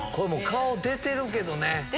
顔出てるけどね。